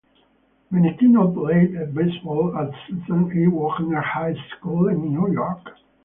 Menechino played baseball at Susan E. Wagner High School in New York.